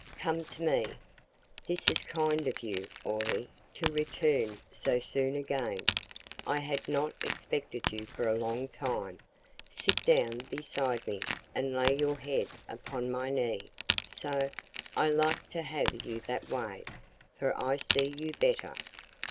"Come to me. This is kind of you, Orley, to return so soon again; I had not expected you for a long time. Sit down beside me, and lay your head upon my knee so I like to have you that way, for I see you better."